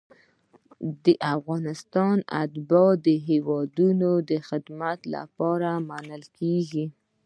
د افغانستان اتباع د دولت د خدمت لپاره منل کیږي.